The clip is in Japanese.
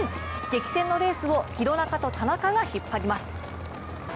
激戦のレースを廣中と田中が引っ張ります。